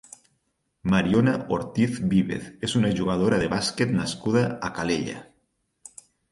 Mariona Ortiz Vives és una jugadora de bàsquet nascuda a Calella.